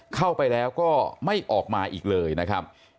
เข้าไปแล้วก็ไม่ออกมาอีกเลยนะครับ